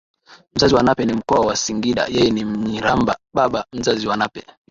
mzazi wa Nape ni mkoa wa Singida yeye ni MnyirambaBaba mzazi wa Nape